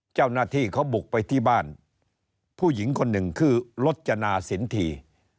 เจ้าหน้าที่เขาบุกไปที่บ้านผู้หญิงคนหนึ่งคือรจนาสินที